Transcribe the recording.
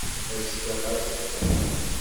Azekka d aẓekka.